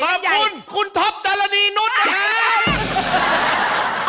ขอบคุณคุณท็อปตาลาดีนุฏนะครับ